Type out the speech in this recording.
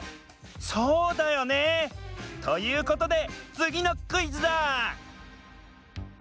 そうだよね！ということでつぎのクイズだ！